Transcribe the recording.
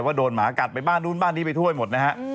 ว่าโดนหมากัดไปบ้านนู้นบ้านนี้ไปถ้วยหมดนะฮะ